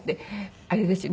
あれですよね？